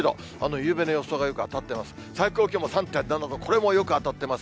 夕べの予想がよく当たってます。